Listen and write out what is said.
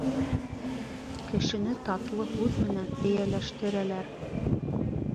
Кешене татлы һүҙ менән эйәләштерәләр.